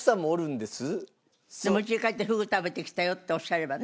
でもうちに帰ってフグ食べてきたよっておっしゃればね。